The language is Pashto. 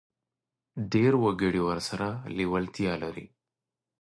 ډېر وګړي ورسره لېوالتیا لري.